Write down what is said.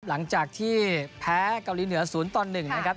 หลังจากที่แพ้เกาหลีเหนือศูนย์ตอนหนึ่งนะครับ